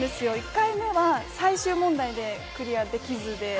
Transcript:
１回目は最終問題でクリアできずで。